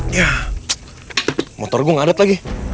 yah motor gue ngadet lagi